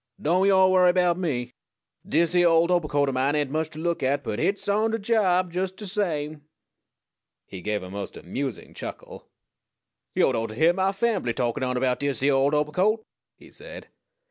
"Don't yo' worry erbout me. Dis yere old obercoat o' mine ain't much to look at; but hit's on de job jes' de same." He gave a most amusing chuckle. "Yo'd ought to hyear mah fambly takin' on erbout dis yere old obercoat!" he said.